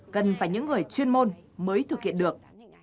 cần phải những người chuyên môn mới thực hiện được